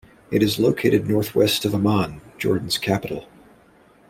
It is located northwest of Amman, Jordan's capital.